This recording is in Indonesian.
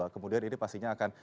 kemudian ini pastinya akan